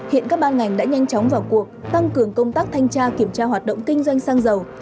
hiện các ban ngành đã nhanh chóng vào cuộc tăng cường công tác thanh tra kiểm tra hoạt động kinh doanh xăng dầu